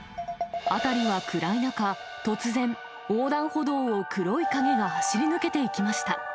辺りは暗い中、突然、横断歩道を黒い影が走り抜けていきました。